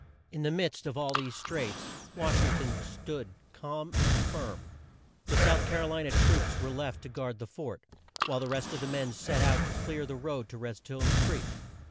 In the midst of all these straits Wash ing ton stood calm and firm. The South Car o li na troops were left to guard the fort, while the rest of the men set out to clear the road to Red stone Creek.